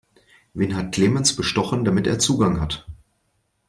Wen hat Clemens bestochen, damit er Zugang hat?